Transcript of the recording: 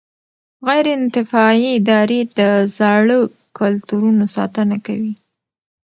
غیر انتفاعي ادارې د زاړه کلتورونو ساتنه کوي.